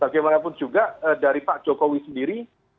bagaimanapun juga dari pak jokowi sendiri